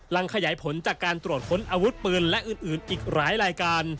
ขยายผลจากการตรวจค้นอาวุธปืนและอื่นอีกหลายรายการ